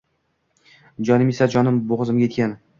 Jonim esa… Jonim bo‘g‘zimga yetgan!